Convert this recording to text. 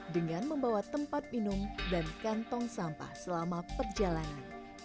dengan membawa tempat minum dan kantong sampah selama perjalanan